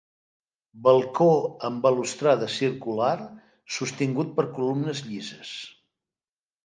Balcó amb balustrada circular sostingut per columnes llises.